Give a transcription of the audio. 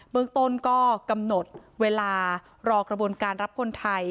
เมืองต้นก็กำหนดเวลารอกระบวนการรับคนไทย